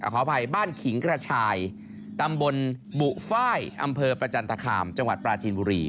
ขออภัยบ้านขิงกระชายตำบลบุฟ้ายอำเภอประจันตคามจังหวัดปราจีนบุรี